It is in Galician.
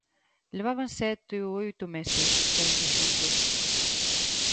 Levaban sete ou oito meses saíndo xuntos.